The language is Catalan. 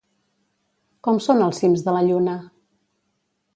Com són els cims de la lluna?